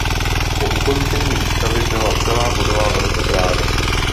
Po ukončení výstavy byla celá budova rozebrána.